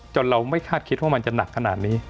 เราไม่คาดคิดว่ามันจะหนักขนาดนี้